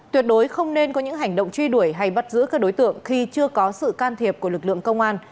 tuyệt đối không nên có những hành động truy đuổi hay bắt giữ các đối tượng khi chưa có sự can thiệp của lực lượng công an